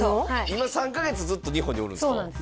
今３カ月ずっと日本におるんですか？